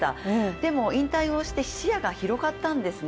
でも、引退をして視野が広がったんですね。